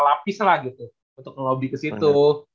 lapis lah gitu untuk ngelobby kesitu